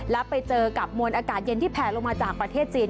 แล้วไปเจอกับมวลอากาศเย็นที่แผลลงมาจากประเทศจีน